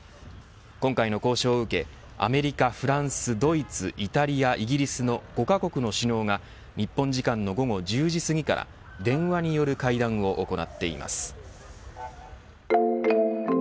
今回の交渉を受けアメリカ、フランスドイツ、イタリア、イギリスの５カ国の首脳が日本時間の午後１０時すぎから電話による会談を行っています。